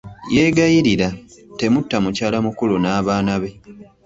Yeegayirira, temutta mukyala mukulu n'abaana be.